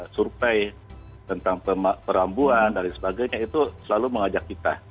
survei tentang perambuan dan sebagainya itu selalu mengajak kita